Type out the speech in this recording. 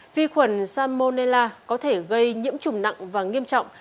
vi khuẩn salmonella có thể gây nhiễm chủng nặng và nghiêm trọng